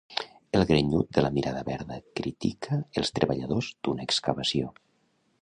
El grenyut de la mirada verda critica els treballadors d'una excavació.